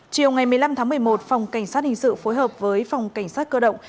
chiều ngày một mươi năm tháng một mươi một phòng cảnh sát hình sự phối hợp với phòng cảnh sát cơ động